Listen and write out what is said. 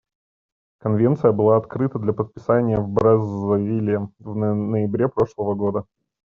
Конвенция была открыта для подписания в Браззавиле в ноябре прошлого года.